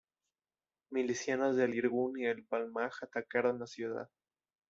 Milicianos del Irgún y del Palmaj atacaron la ciudad.